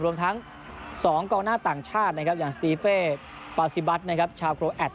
รวมทั้ง๒กองหน้าต่างชาตินะครับอย่างสตีเฟ่ปาซิบัตนะครับชาวโครแอด